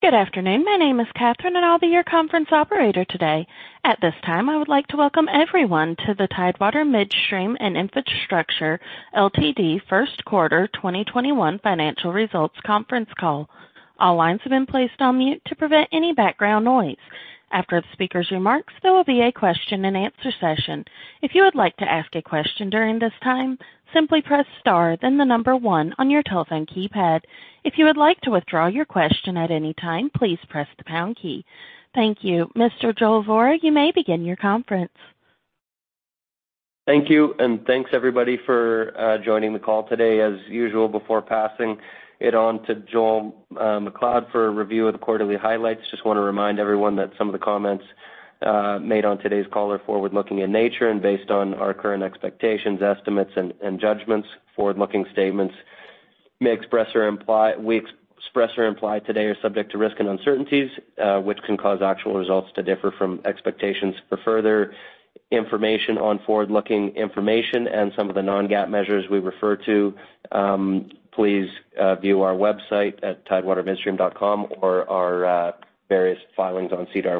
Good afternoon. My name is Catherine, and I'll be your conference operator today. At this time, I would like to welcome everyone to the Tidewater Midstream and Infrastructure Ltd. First Quarter 2021 Financial Results Conference Call. All lines have been placed on mute to prevent any background noise. After the speaker's remarks, there will be a question and answer session. If you would like to ask a question during this time, simply press star then the number one on your telephone keypad. If you would like to withdraw your question at any time, please press the pound key. Thank you. Mr. Joel Vorra, you may begin your conference. Thank you, thanks, everybody, for joining the call today. As usual, before passing it on to Joel MacLeod for a review of the quarterly highlights, just want to remind everyone that some of the comments made on today's call are forward-looking in nature and based on our current expectations, estimates, and judgments. Forward-looking statements we express or imply today are subject to risks and uncertainties, which can cause actual results to differ from expectations. For further information on forward-looking information and some of the non-GAAP measures we refer to, please view our website at tidewatermidstream.com or our various filings on SEDAR.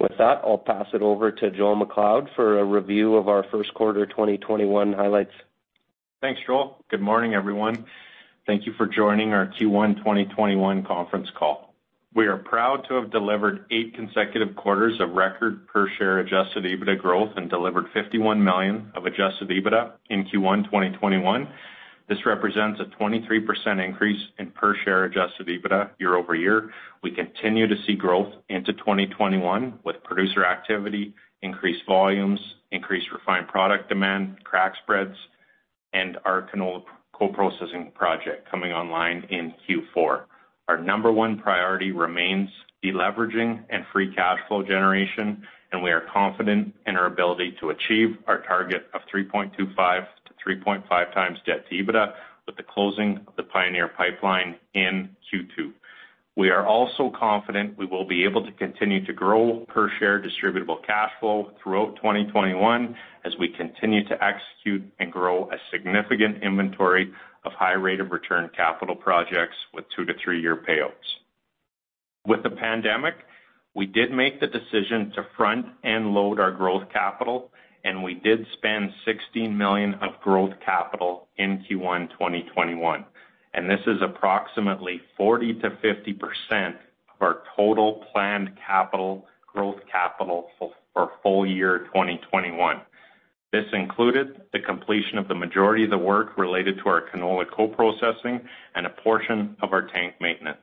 With that, I'll pass it over to Joel MacLeod for a review of our first quarter 2021 highlights. Thanks, Joel. Good morning, everyone. Thank you for joining our Q1 2021 conference call. We are proud to have delivered eight consecutive quarters of record per share adjusted EBITDA growth and delivered 51 million of adjusted EBITDA in Q1 2021. This represents a 23% increase in per share adjusted EBITDA year-over-year. We continue to see growth into 2021 with producer activity, increased volumes, increased refined product demand, crack spreads, and our canola co-processing project coming online in Q4. Our number one priority remains de-leveraging and free cash flow generation, and we are confident in our ability to achieve our target of 3.25x-3.5x debt to EBITDA with the closing of the Pioneer Pipeline in Q2. We are also confident we will be able to continue to grow per share distributable cash flow throughout 2021 as we continue to execute and grow a significant inventory of high rate of return capital projects with two to three-year payouts. With the pandemic, we did make the decision to front-end load our growth capital, and we did spend 16 million of growth capital in Q1 2021, and this is approximately 40%-50% of our total planned growth capital for full year 2021. This included the completion of the majority of the work related to our canola co-processing and a portion of our tank maintenance.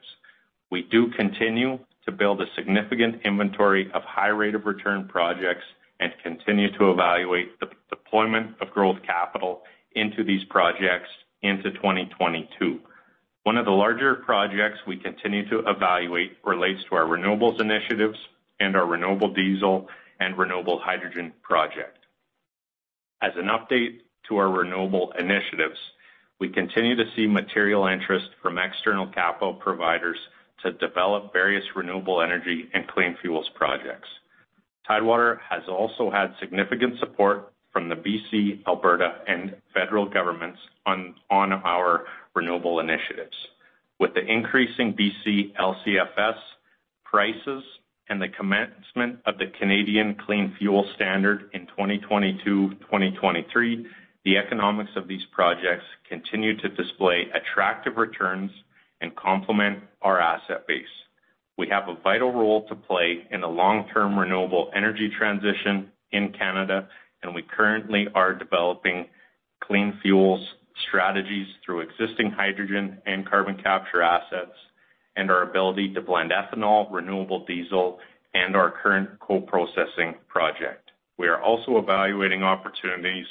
We do continue to build a significant inventory of high rate of return projects and continue to evaluate the deployment of growth capital into these projects into 2022. One of the larger projects we continue to evaluate relates to our renewables initiatives and our renewable diesel and renewable hydrogen project. As an update to our renewable initiatives, we continue to see material interest from external capital providers to develop various renewable energy and clean fuels projects. Tidewater has also had significant support from the B.C., Alberta, and federal governments on our renewable initiatives. With the increasing BC LCFS prices and the commencement of the Canadian Clean Fuel Standard in 2022-2023, the economics of these projects continue to display attractive returns and complement our asset base. We have a vital role to play in the long-term renewable energy transition in Canada, and we currently are developing clean fuels strategies through existing hydrogen and carbon capture assets and our ability to blend ethanol, renewable diesel, and our current co-processing project. We are also evaluating opportunities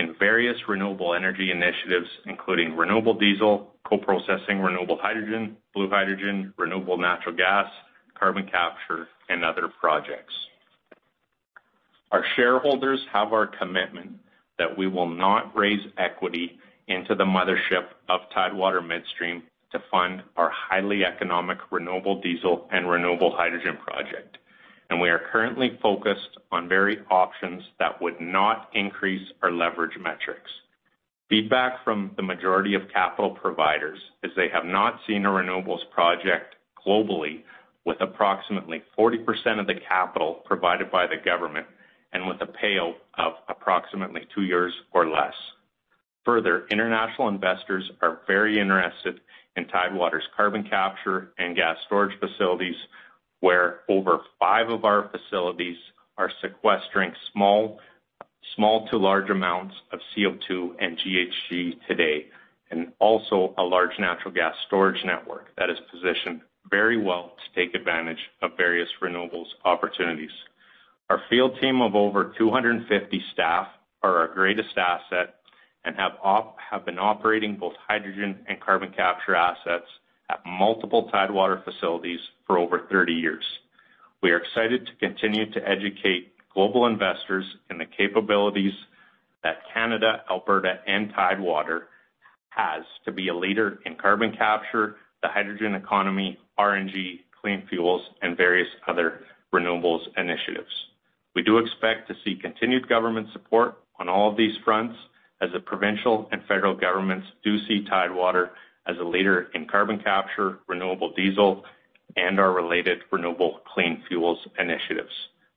in various renewable energy initiatives, including renewable diesel, co-processing renewable hydrogen, blue hydrogen, renewable natural gas, carbon capture, and other projects. Our shareholders have our commitment that we will not raise equity into the mothership of Tidewater Midstream to fund our highly economic renewable diesel and renewable hydrogen project, and we are currently focused on varied options that would not increase our leverage metrics. Feedback from the majority of capital providers is they have not seen a renewables project globally with approximately 40% of the capital provided by the government and with a payout of approximately two years or less. International investors are very interested in Tidewater's carbon capture and gas storage facilities, where over five of our facilities are sequestering small to large amounts of CO2 and GHG today, and also a large natural gas storage network that is positioned very well to take advantage of various renewables opportunities. Our field team of over 250 staff are our greatest asset and have been operating both hydrogen and carbon capture assets at multiple Tidewater facilities for over 30 years. We are excited to continue to educate global investors in the capabilities that Canada, Alberta, and Tidewater has to be a leader in carbon capture, the hydrogen economy, RNG, clean fuels, and various other renewables initiatives. We do expect to see continued government support on all of these fronts as the provincial and federal governments do see Tidewater as a leader in carbon capture, renewable diesel, and our related renewable clean fuels initiatives.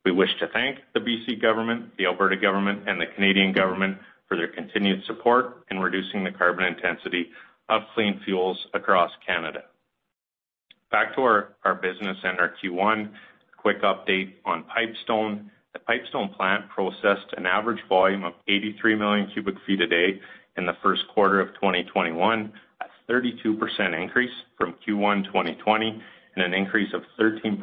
We wish to thank the B.C. government, the Alberta government, and the Canadian government for their continued support in reducing the carbon intensity of clean fuels across Canada. Back to our business and our Q1. Quick update on Pipestone. The Pipestone plant processed an average volume of 83 million cu ft a day in the first quarter of 2021, a 32% increase from Q1 2020 and an increase of 13%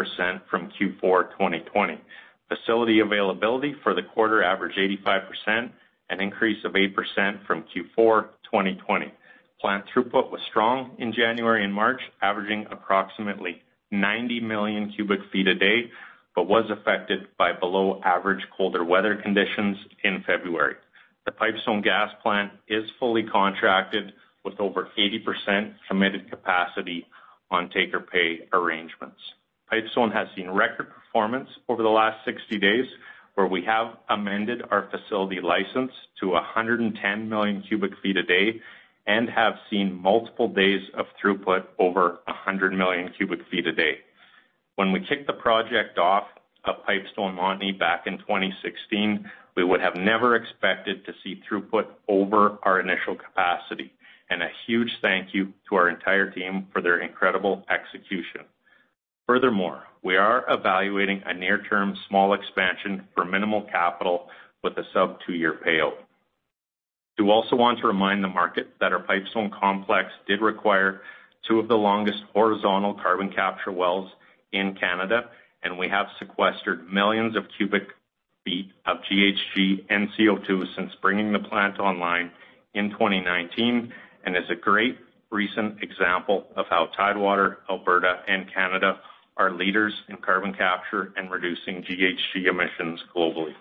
from Q4 2020. Facility availability for the quarter averaged 85%, an increase of 8% from Q4 2020. Plant throughput was strong in January and March, averaging approximately 90 million cu ft a day, but was affected by below-average colder weather conditions in February. The Pipestone gas plant is fully contracted with over 80% committed capacity on take-or-pay arrangements. Pipestone has seen record performance over the last 60 days, where we have amended our facility license to 110 million cu ft a day and have seen multiple days of throughput over 100 million cu ft a day. When we kicked the project off of Pipestone Montney back in 2016, we would have never expected to see throughput over our initial capacity. A huge thank you to our entire team for their incredible execution. Furthermore, we are evaluating a near-term small expansion for minimal capital with a sub two-year payout. We do also want to remind the market that our Pipestone complex did require two of the longest horizontal carbon capture wells in Canada, and we have sequestered millions of cubic feet of GHG and CO2 since bringing the plant online in 2019, and is a great recent example of how Tidewater, Alberta, and Canada are leaders in carbon capture and reducing GHG emissions globally.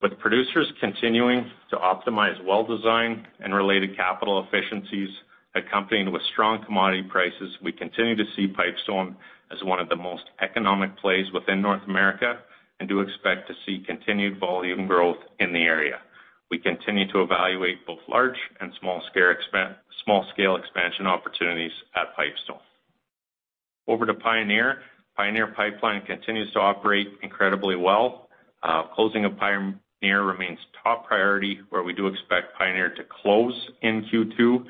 With producers continuing to optimize well design and related capital efficiencies, accompanied with strong commodity prices, we continue to see Pipestone as one of the most economic plays within North America and do expect to see continued volume growth in the area. We continue to evaluate both large and small scale expansion opportunities at Pipestone. Over to Pioneer. Pioneer Pipeline continues to operate incredibly well. Closing of Pioneer remains top priority, where we do expect Pioneer to close in Q2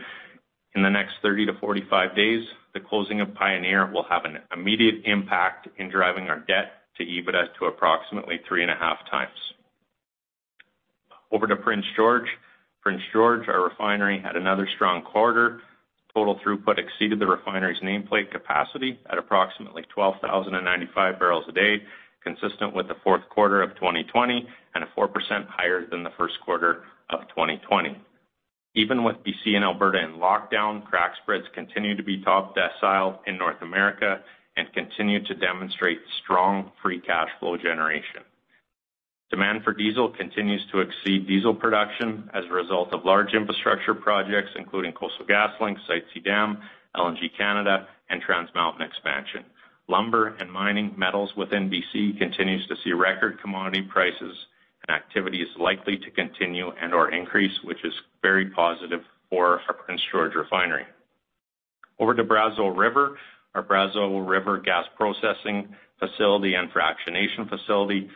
in the next 30-45 days. The closing of Pioneer will have an immediate impact in driving our debt to EBITDA to approximately 3.5x. Over to Prince George. Prince George, our refinery, had another strong quarter. Total throughput exceeded the refinery's nameplate capacity at approximately 12,095 barrels a day, consistent with the fourth quarter of 2020 and a 4% higher than the first quarter of 2020. Even with B.C. and Alberta in lockdown, crack spreads continue to be top decile in North America and continue to demonstrate strong free cash flow generation. Demand for diesel continues to exceed diesel production as a result of large infrastructure projects including Coastal GasLink, Site C Dam, LNG Canada, and Trans Mountain Expansion. Lumber and mining metals within B.C. continues to see record commodity prices and activity is likely to continue and/or increase, which is very positive for our Prince George refinery. Over to Brazeau River. Our Brazeau River gas processing facility and fractionation facility.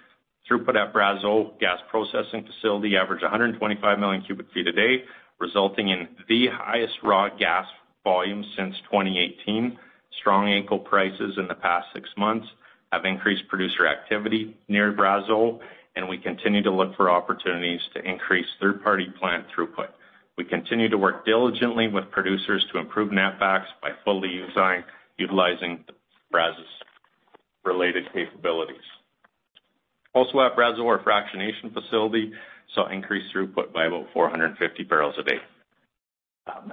Throughput at Brazeau gas processing facility averaged 125 million cu ft a day, resulting in the highest raw gas volume since 2018. Strong AECO prices in the past six months have increased producer activity near Brazeau, and we continue to look for opportunities to increase third-party plant throughput. We continue to work diligently with producers to improve netbacks by fully utilizing Brazeau's related capabilities. Also at Brazeau, our fractionation facility saw increased throughput by about 450 barrels a day.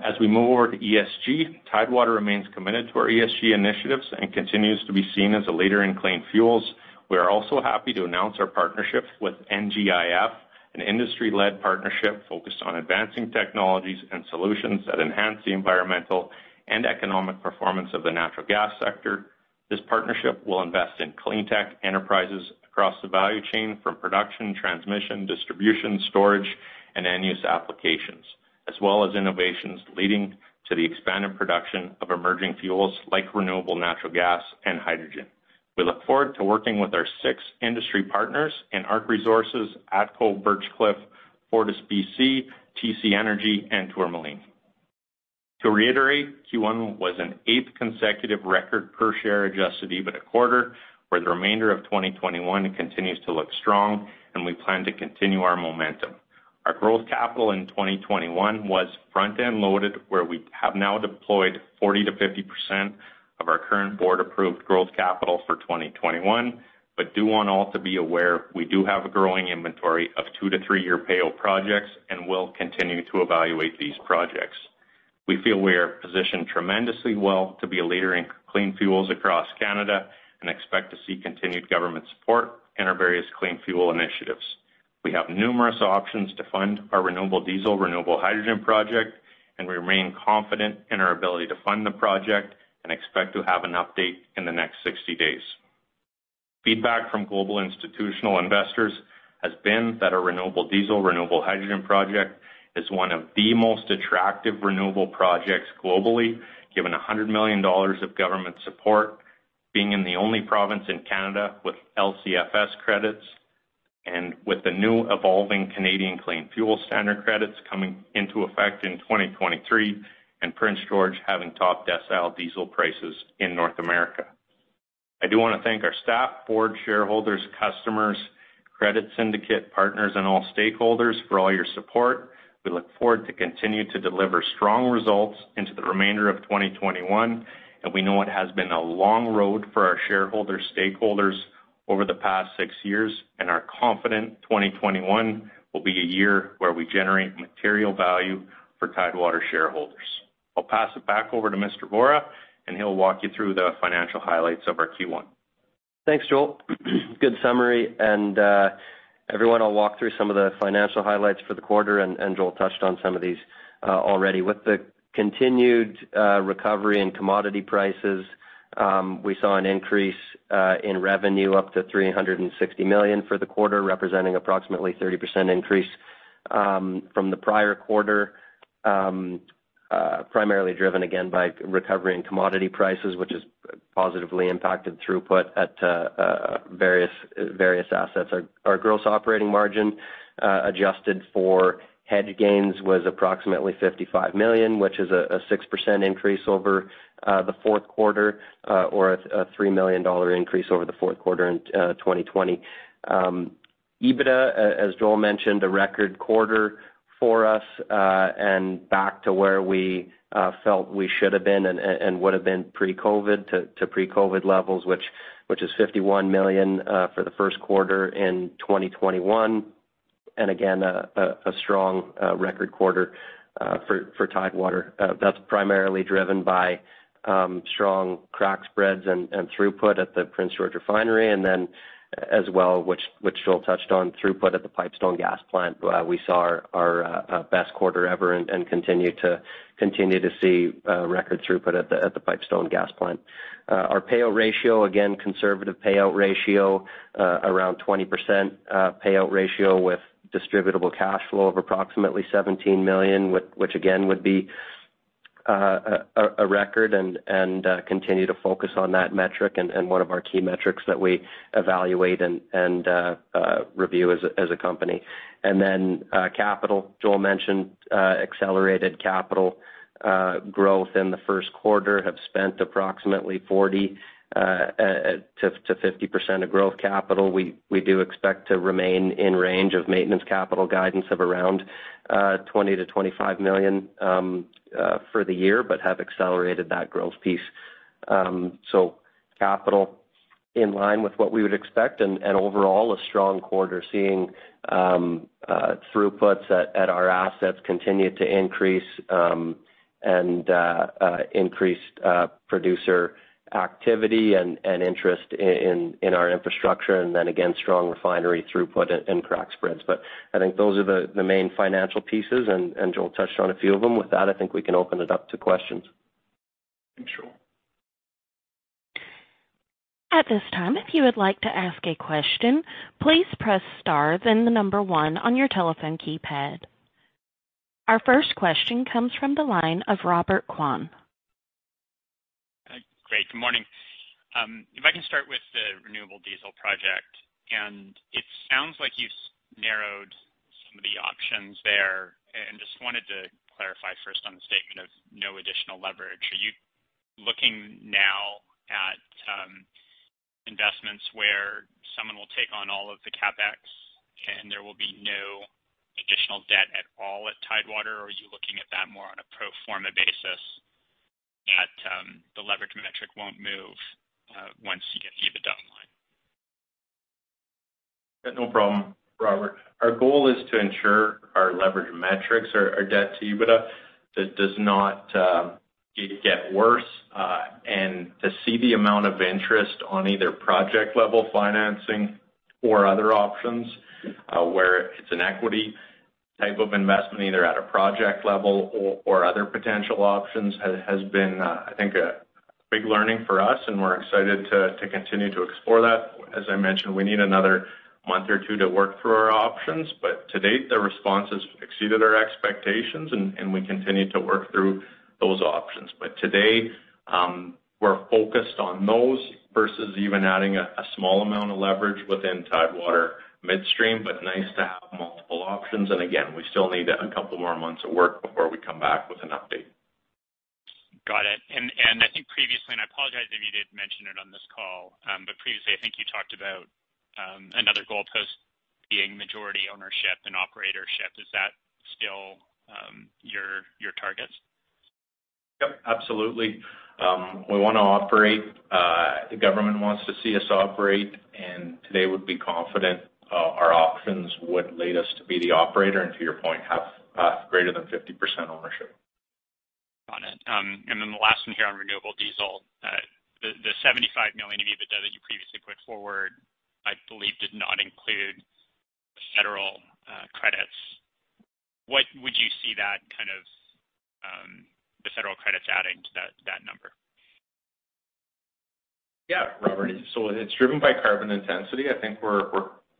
As we move over to ESG, Tidewater remains committed to our ESG initiatives and continues to be seen as a leader in clean fuels. We are also happy to announce our partnership with NGIF, an industry-led partnership focused on advancing technologies and solutions that enhance the environmental and economic performance of the natural gas sector. This partnership will invest in clean tech enterprises across the value chain from production, transmission, distribution, storage, and end-use applications, as well as innovations leading to the expanded production of emerging fuels like renewable natural gas and hydrogen. We look forward to working with our six industry partners in ARC Resources, ATCO, Birchcliff, FortisBC, TC Energy, and Tourmaline. To reiterate, Q1 was an eighth consecutive record per-share adjusted EBITDA quarter, where the remainder of 2021 continues to look strong and we plan to continue our momentum. Our growth capital in 2021 was front-end loaded, where we have now deployed 40%-50% of our current board-approved growth capital for 2021, but do want all to be aware we do have a growing inventory of two to three-year payout projects and will continue to evaluate these projects. We feel we are positioned tremendously well to be a leader in clean fuels across Canada and expect to see continued government support in our various clean fuel initiatives. We have numerous options to fund our renewable diesel, renewable hydrogen project, and we remain confident in our ability to fund the project and expect to have an update in the next 60 days. Feedback from global institutional investors has been that our renewable diesel, renewable hydrogen project is one of the most attractive renewable projects globally, given 100 million dollars of government support, being in the only province in Canada with LCFS credits, and with the new evolving Canadian Clean Fuel Standard credits coming into effect in 2023, and Prince George having top diesel prices in North America. I do want to thank our staff, board, shareholders, customers, credit syndicate partners, and all stakeholders for all your support. We look forward to continue to deliver strong results into the remainder of 2021, and we know it has been a long road for our shareholders, stakeholders over the past six years, and are confident 2021 will be a year where we generate material value for Tidewater shareholders. I'll pass it back over to Mr. Vorra, and he'll walk you through the financial highlights of our Q1. Thanks, Joel. Good summary. Everyone, I'll walk through some of the financial highlights for the quarter, and Joel touched on some of these already. With the continued recovery in commodity prices, we saw an increase in revenue up to 360 million for the quarter, representing approximately 30% increase from the prior quarter, primarily driven again by recovery in commodity prices, which has positively impacted throughput at various assets. Our gross operating margin, adjusted for hedge gains was approximately 55 million, which is a 6% increase over the fourth quarter, or a 3 million dollar increase over the fourth quarter in 2020. EBITDA, as Joel mentioned, a record quarter for us, and back to where we felt we should have been and would have been pre-COVID, to pre-COVID levels, which is 51 million for the first quarter in 2021. Again, a strong record quarter for Tidewater. That's primarily driven by strong crack spreads and throughput at the Prince George refinery. As well, which Joel touched on, throughput at the Pipestone gas plant. We saw our best quarter ever and continue to see record throughput at the Pipestone gas plant. Our payout ratio, again, conservative payout ratio, around 20% payout ratio with distributable cash flow of approximately 17 million, which again, would be a record and continue to focus on that metric and one of our key metrics that we evaluate and review as a company. Capital. Joel mentioned accelerated capital growth in the first quarter, have spent approximately 40%-50% of growth capital. We do expect to remain in range of maintenance capital guidance of around 20 million-25 million for the year, but have accelerated that growth piece. Capital in line with what we would expect, and overall, a strong quarter seeing throughputs at our assets continue to increase, and increased producer activity and interest in our infrastructure, and then again, strong refinery throughput and crack spreads. I think those are the main financial pieces, and Joel touched on a few of them. With that, I think we can open it up to questions. Thanks, Joel. Our first question comes from the line of Robert Kwan. Great, good morning. If I can start with the renewable diesel project, and it sounds like you've narrowed some of the options there and just wanted to clarify first on the statement of no additional leverage. Are you looking now at investments where someone will take on all of the CapEx and there will be no additional debt at all at Tidewater, or are you looking at that more on a pro forma basis that the leverage metric won't move, once you get EBITDA online? No problem, Robert. Our goal is to ensure our leverage metrics or our debt to EBITDA, that does not get worse, and to see the amount of interest on either project-level financing or other options, where it's an equity type of investment, either at a project level or other potential options, has been, I think, a big learning for us, and we're excited to continue to explore that. As I mentioned, we need another month or two to work through our options, but to date, the response has exceeded our expectations, and we continue to work through those options. Today, we're focused on those versus even adding a small amount of leverage within Tidewater Midstream, but nice to have multiple options. Again, we still need a couple more months of work before we come back with an update. Got it. I think previously, and I apologize if you did mention it on this call, but previously, I think you talked about another goalpost being majority ownership and operatorship. Is that still your targets? Yep, absolutely. We want to operate, the government wants to see us operate, and today would be confident our options would lead us to be the operator, and to your point, have greater than 50% ownership. The last one here on renewable diesel. The 75 million of EBITDA that you previously put forward, I believe, did not include federal credits. What would you see that federal credits adding to that number? Yeah, Robert. It's driven by carbon intensity. I think we're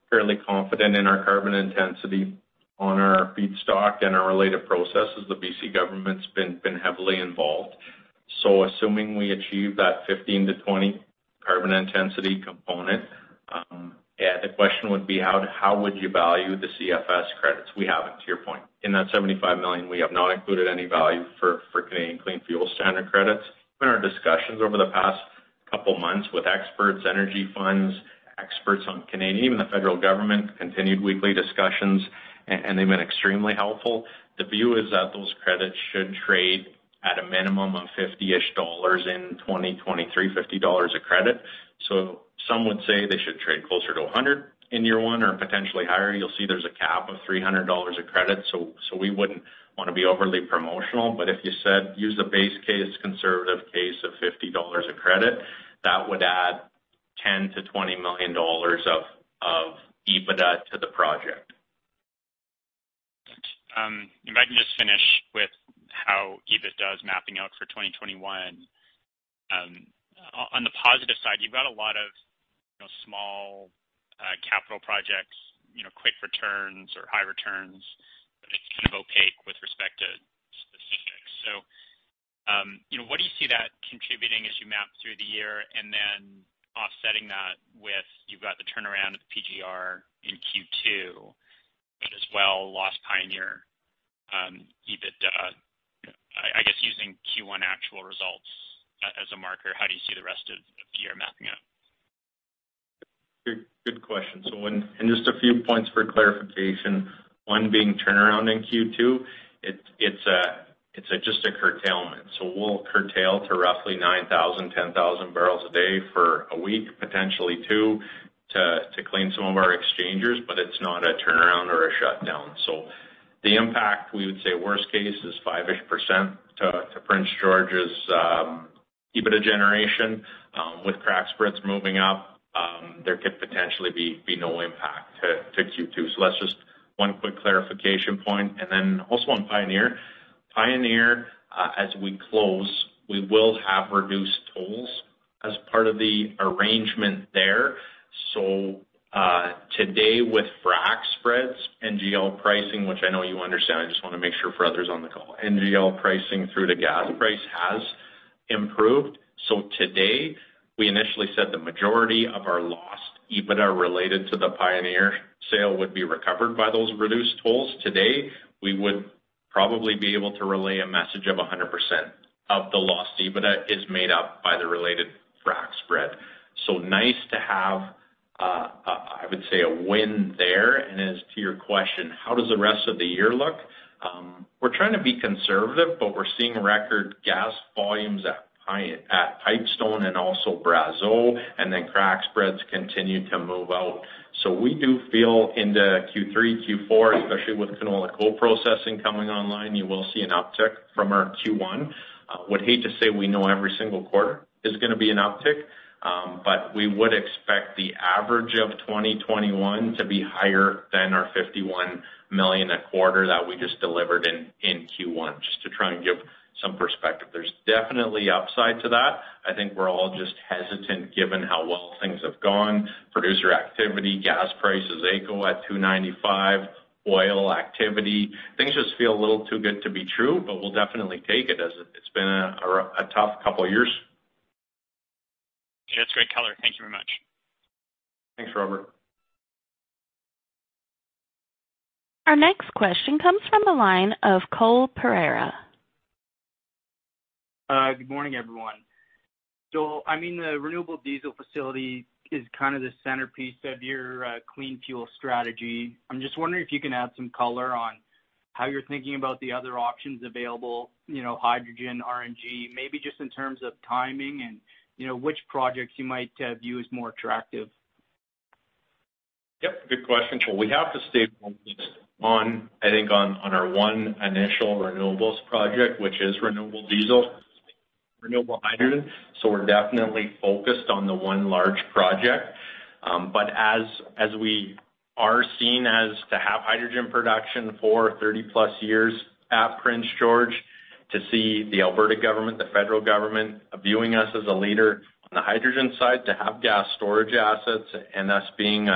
fairly confident in our carbon intensity on our feedstock and our related processes. The B.C. government's been heavily involved. Assuming we achieve that 15 to 20 carbon intensity component, the question would be how would you value the CFS credits? We haven't, to your point. In that CAD 75 million, we have not included any value for Canadian Clean Fuel Standard credits. In our discussions over the past couple of months with experts, energy funds, experts on Canadian, the federal government, continued weekly discussions, and they've been extremely helpful. The view is that those credits should trade at a minimum of 50-ish dollars in 2023, 50 dollars a credit. Some would say they should trade closer to 100 in year one or potentially higher. You'll see there's a cap of 300 dollars a credit, so we wouldn't want to be overly promotional. If you said use the base case, conservative case of 50 dollars a credit, that would add 10 million to 20 million dollars of EBITDA to the project. If I can just finish with how EBITDA is mapping out for 2021. On the positive side, you've got a lot of small capital projects, quick returns or high returns, but it's kind of opaque with respect to specifics. What do you see that contributing as you map through the year and then offsetting that with you've got the turnaround of the PGR in Q2, but as well, lost Pioneer EBITDA. I guess using Q1 actual results as a marker, how do you see the rest of the year mapping out? Good question. Just a few points for clarification, one being turnaround in Q2. It's just a curtailment. We will curtail to roughly 9,000, 10,000 barrels a day for a week, potentially two, to clean some of our exchangers, but it's not a turnaround or a shutdown. The impact, we would say worst case, is 5-ish% to Prince George's EBITDA generation. With crack spreads moving up, there could potentially be no impact to Q2. That's just one quick clarification point. Then also on Pioneer. Pioneer, as we close, we will have reduced tolls as part of the arrangement there. Today with frac spreads, NGL pricing, which I know you understand, I just want to make sure for others on the call, NGL pricing through to gas price has improved. Today, we initially said the majority of our lost EBITDA related to the Pioneer sale would be recovered by those reduced tolls. Today, we would probably be able to relay a message of 100% of the lost EBITDA is made up by the related frac spread. Nice to have, I would say, a win there. As to your question, how does the rest of the year look? We're trying to be conservative, but we're seeing record gas volumes at Pipestone and also Brazeau, and then crack spreads continue to move out. We do feel into Q3, Q4, especially with canola co-processing coming online, you will see an uptick from our Q1. Would hate to say we know every single quarter is going to be an uptick, we would expect the average of 2021 to be higher than our 51 million a quarter that we just delivered in Q1, just to try and give some perspective. There's definitely upside to that. I think we're all just hesitant given how well things have gone. Producer activity, gas prices, AECO at 2.95, oil activity. Things just feel a little too good to be true, we'll definitely take it as it's been a tough couple of years. That's great color. Thank you very much. Thanks, Robert. Our next question comes from the line of Cole Pereira. Good morning, everyone. The renewable diesel facility is kind of the centerpiece of your clean fuel strategy. I'm just wondering if you can add some color on how you're thinking about the other options available, hydrogen, RNG, maybe just in terms of timing and which projects you might view as more attractive. Yep, good question, Cole. We have to stay focused on, I think on our one initial renewables project, which is renewable diesel, renewable hydrogen. As we are seen as to have hydrogen production for 30+ years at Prince George, to see the Alberta government, the federal government viewing us as a leader on the hydrogen side, to have gas storage assets, and us being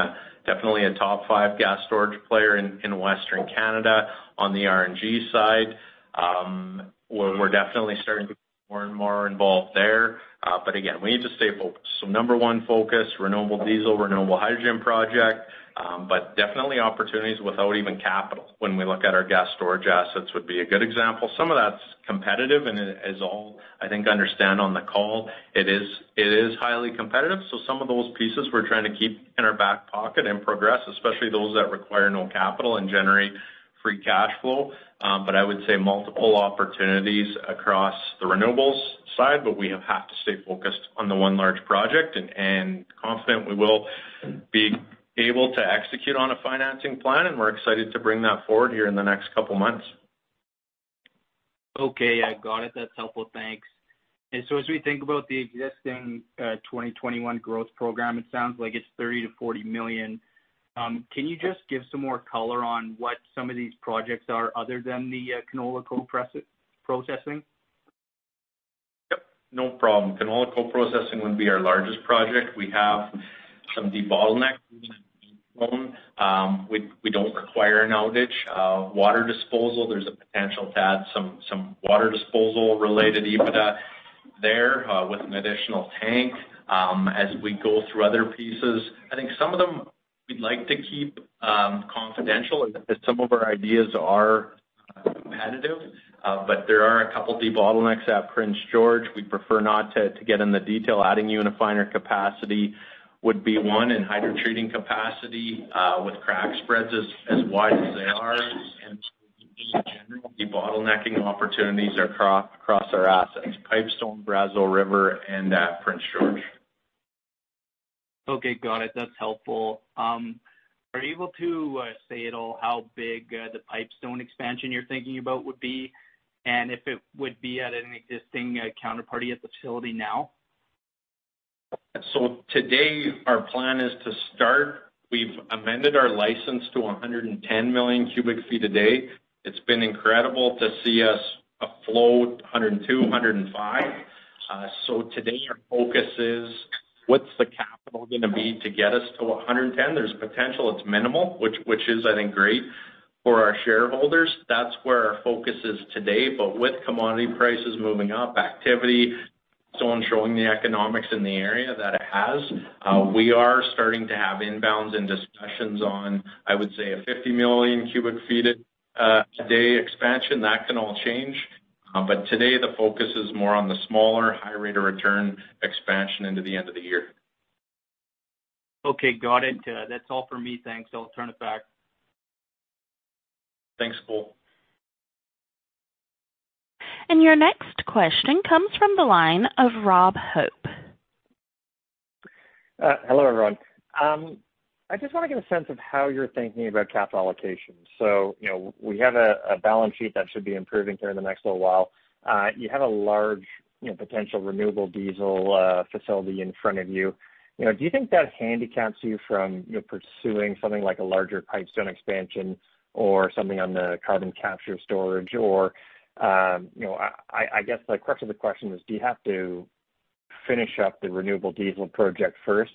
definitely a top five gas storage player in Western Canada on the RNG side, we're definitely starting to get more and more involved there. Again, we need to stay focused. Number one focus, renewable diesel, renewable hydrogen project, definitely opportunities without even capital when we look at our gas storage assets would be a good example. Some of that's competitive and as all, I think, understand on the call, it is highly competitive. Some of those pieces we're trying to keep in our back pocket and progress, especially those that require no capital and generate free cash flow. I would say multiple opportunities across the renewables side, but we have to stay focused on the one large project, and confident we will be able to execute on a financing plan, and we're excited to bring that forward here in the next couple of months. Okay. Yeah, got it. That's helpful. Thanks. As we think about the existing 2021 growth program, it sounds like it's 30 million to 40 million. Can you just give some more color on what some of these projects are other than the canola co-processing? Yep, no problem. Canola co-processing would be our largest project. We have some debottlenecks. We don't require an outage. Water disposal, there's a potential to add some water disposal related EBITDA there with an additional tank. As we go through other pieces, I think some of them we'd like to keep confidential, as some of our ideas are competitive, but there are a couple debottlenecks at Prince George. We'd prefer not to get into the detail. Adding unifiner capacity would be one, and hydrotreating capacity, with crack spreads as wide as they are and generally debottlenecking opportunities across our assets, Pipestone, Brazeau River, and at Prince George. Okay. Got it. That is helpful. Are you able to say at all how big the Pipestone expansion you are thinking about would be, and if it would be at an existing counterparty at the facility now? Today our plan is to start. We've amended our license to 110 million cu ft a day. It's been incredible to see us flow 102 million cu ft, 105 million cu ft. Today our focus is, what's the capital going to be to get us to 110 million cu ft? There's potential it's minimal, which is, I think, great for our shareholders. That's where our focus is today. With commodity prices moving up, activity, someone showing the economics in the area that it has, we are starting to have inbounds and discussions on, I would say, a 50 million cu ft a day expansion. That can all change. Today the focus is more on the smaller, higher rate of return expansion into the end of the year. Okay, got it. That's all for me, thanks. I'll turn it back. Thanks, Cole. Your next question comes from the line of Rob Hope. Hello, everyone. I just want to get a sense of how you're thinking about capital allocation. We have a balance sheet that should be improving here in the next little while. You have a large potential renewable diesel facility in front of you. Do you think that handicaps you from pursuing something like a larger Pipestone expansion or something on the carbon capture storage, or I guess the crux of the question is, do you have to finish up the renewable diesel project first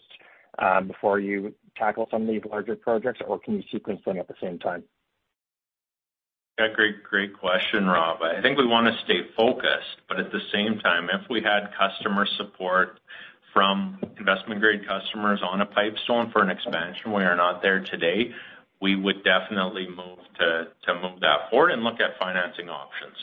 before you tackle some of these larger projects, or can you sequence them at the same time? Yeah. Great question, Rob. I think we want to stay focused, but at the same time, if we had customer support from investment-grade customers on a Pipestone for an expansion, we are not there today, we would definitely move that forward and look at financing options.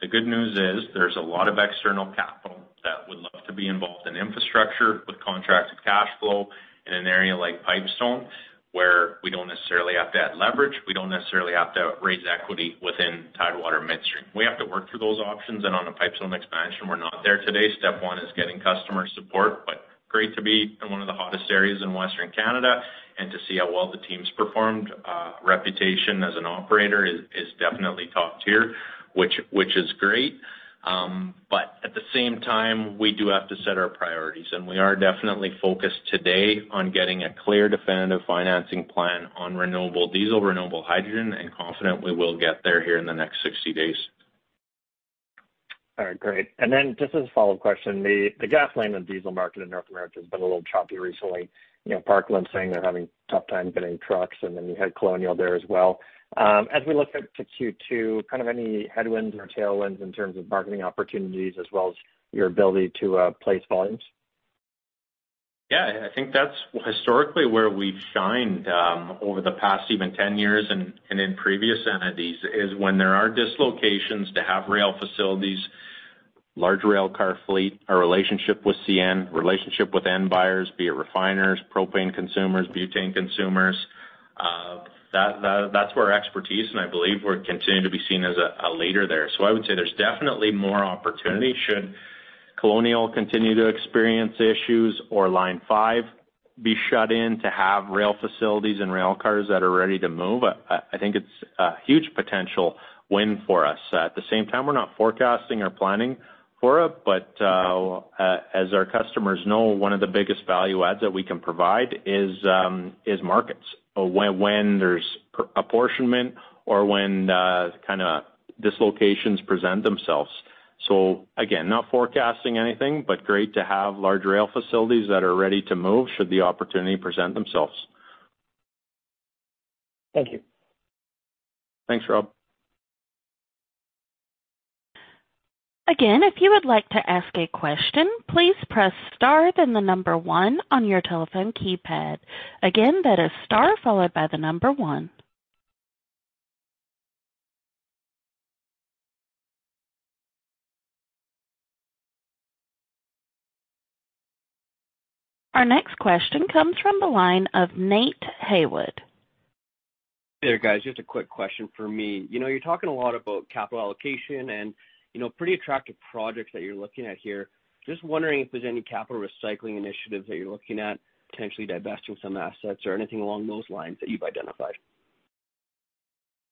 The good news is there's a lot of external capital that would love to be involved in infrastructure with contracted cash flow in an area like Pipestone, where we don't necessarily have to add leverage, we don't necessarily have to raise equity within Tidewater Midstream. We have to work through those options. On a Pipestone expansion, we're not there today. Step one is getting customer support, but great to be in one of the hottest areas in Western Canada and to see how well the team's performed. Reputation as an operator is definitely top tier, which is great. At the same time, we do have to set our priorities, and we are definitely focused today on getting a clear, definitive financing plan on renewable diesel, renewable hydrogen, and confident we will get there here in the next 60 days. All right, great. Just as a follow-up question, the gasoline and diesel market in North America has been a little choppy recently. Parkland's saying they're having tough time getting trucks, and then you had Colonial there as well. As we look ahead to Q2, any headwinds or tailwinds in terms of bargaining opportunities as well as your ability to place volumes? I think that's historically where we've shined over the past even 10 years and in previous entities, is when there are dislocations to have rail facilities, large rail car fleet, our relationship with CN, relationship with end buyers, be it refiners, propane consumers, butane consumers, that's where our expertise and I believe we're continuing to be seen as a leader there. I would say there's definitely more opportunity should Colonial continue to experience issues or Line 5 be shut in to have rail facilities and rail cars that are ready to move. I think it's a huge potential win for us. At the same time, we're not forecasting or planning for it, but as our customers know, one of the biggest value adds that we can provide is markets when there's apportionment or when dislocations present themselves. Again, not forecasting anything, but great to have large rail facilities that are ready to move should the opportunity present themselves. Thank you. Thanks, Rob. Again, if you would like to ask a question, please press star, then the number one on your telephone keypad. Again, that is star followed by the number one. Our next question comes from the line of Nate Heywood. Hey there, guys. Just a quick question for me. You're talking a lot about capital allocation and pretty attractive projects that you're looking at here. Just wondering if there's any capital recycling initiatives that you're looking at, potentially divesting some assets or anything along those lines that you've identified.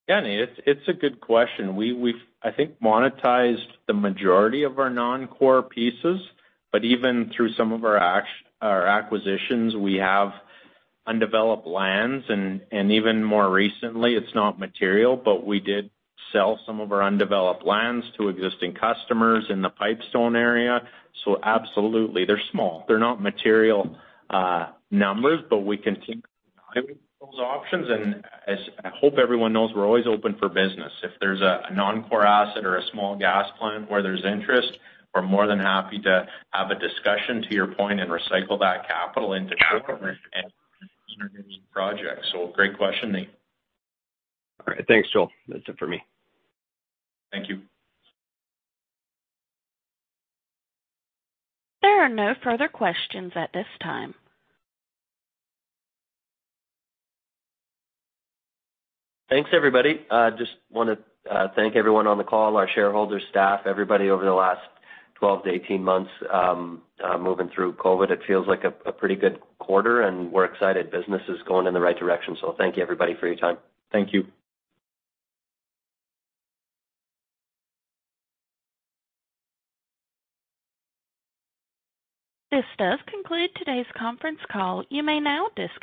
Nate, it's a good question. We've, I think, monetized the majority of our non-core pieces, but even through some of our acquisitions, we have undeveloped lands, and even more recently, it's not material, but we did sell some of our undeveloped lands to existing customers in the Pipestone area. Absolutely. They're small. They're not material numbers, but we continue to evaluate those options, and as I hope everyone knows, we're always open for business. If there's a non-core asset or a small gas plant where there's interest, we're more than happy to have a discussion, to your point, and recycle that capital into shareholder and projects. Great question, Nate. All right. Thanks, Joel. That's it for me. Thank you. There are no further questions at this time. Thanks, everybody. Just want to thank everyone on the call, our shareholders, staff, everybody over the last 12-18 months moving through COVID. It feels like a pretty good quarter, and we're excited business is going in the right direction. Thank you everybody for your time. Thank you. This does conclude today's conference call. You may now disconnect.